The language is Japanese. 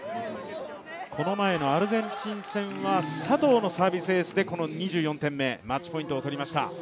この前のアルゼンチン戦は、佐藤のサービスエースでこの２４点目、マッチポイントを取りました。